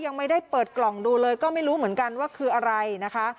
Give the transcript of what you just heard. ยังไม่ได้เปิดกล่องดูเลยก็ไม่รู้เหมือนกันว่าคืออะไรนะคะ